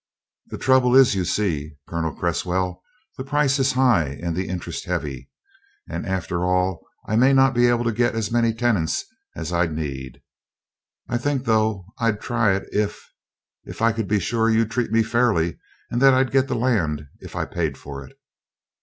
"The trouble is, you see, Colonel Cresswell, the price is high and the interest heavy. And after all I may not be able to get as many tenants as I'd need. I think though, I'd try it if if I could be sure you'd treat me fairly, and that I'd get the land if I paid for it."